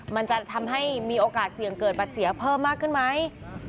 มันจะทำให้มีโอกาสเสี่ยงเกิดบัตรเสียเพิ่มมากขึ้นไหม